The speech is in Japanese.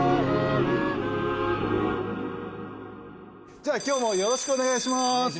じゃあ今日もよろしくお願いします。